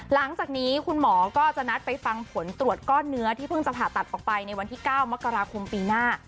หลังจากนี้คุณหมอก็จะนัดไปฟังผลตรวจก้อนเนื้อที่เพิ่งจะผ่าตัดออกไปในวันที่๙มกราคมปีหน้า